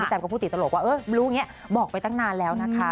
แซมก็พูดติดตลกว่าเออรู้อย่างนี้บอกไปตั้งนานแล้วนะคะ